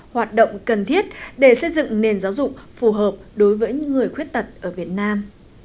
hoạt động cần thiết để xây dựng nền giáo dục phù hợp đối với những người khuyết tật ở việt nam